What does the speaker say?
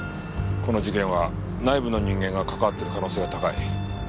この事件は内部の人間が関わってる可能性が高い。